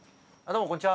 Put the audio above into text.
こんにちは。